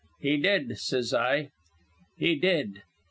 'He did,' says I. 'He did.'